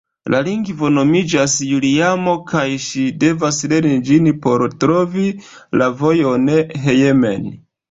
La lingvo nomiĝas Juliamo, kaj ŝi devas lerni ĝin por trovi la vojon hejmen.